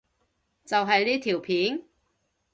就係呢條片？